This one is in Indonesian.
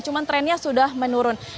cuman trennya sudah menurun